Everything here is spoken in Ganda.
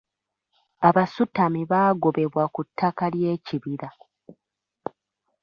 Abasutami baagobebwa ku ttaka ly'ekibira.